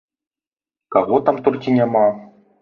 Каго там толькі няма!